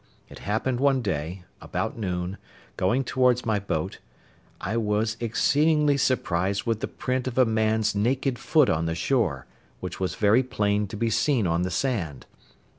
It happened one day, about noon, going towards my boat, I was exceedingly surprised with the print of a man's naked foot on the shore, which was very plain to be seen on the sand.